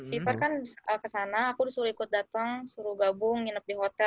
viver kan ke sana aku disuruh ikut datang di surabaya gitu